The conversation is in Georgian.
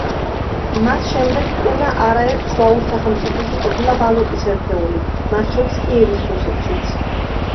მას შემდეგ კუნა არაერთ სლავურ სახელმწიფოში ყოფილა ვალუტის ერთეული, მათ შორის კიევის რუსეთშიც.